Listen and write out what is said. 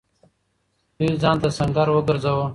دوی ځان ته سنګر وگرځاوه.